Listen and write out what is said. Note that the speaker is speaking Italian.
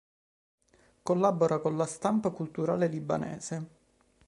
Collabora con la stampa culturale libanese.